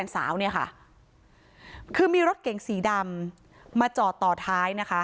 มันไม่ยิ่งข้าวใจ